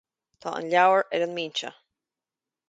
Tá an leabhar ar an mbinse